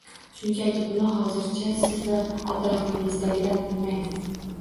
Shunchaki buni hozircha siz va atrofingizdagilar bilmaydi